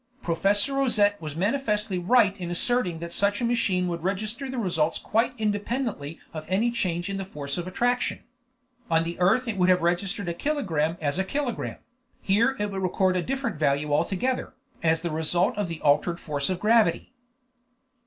Professor Rosette was manifestly right in asserting that such a machine would register results quite independently of any change in the force of attraction. On the earth it would have registered a kilogramme as a kilogramme; here it recorded a different value altogether, as the result of the altered force of gravity.